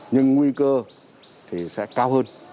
nhưng nguy cơ thì sẽ cao hơn